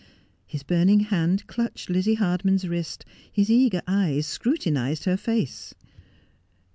His burning hand clutched Lizzie Hardman's wrist, his eager eyes scrutinized her face.